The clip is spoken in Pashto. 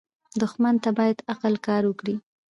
دښمن ته باید عقل کار وکړې